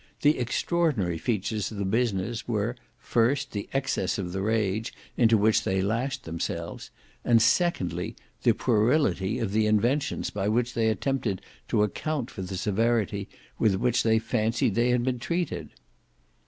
The extraordinary features of the business were, first, the excess of the rage into which they lashed themselves; and secondly, the puerility of the inventions by which they attempted to account for the severity with which they fancied they had been treated.